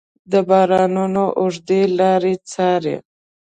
د بارانونو اوږدې لارې څارې